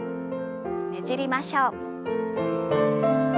ねじりましょう。